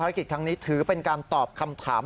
กิจครั้งนี้ถือเป็นการตอบคำถาม